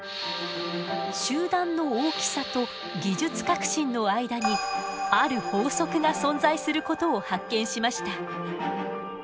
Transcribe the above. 集団の大きさと技術革新の間にある法則が存在することを発見しました。